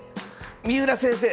三浦先生！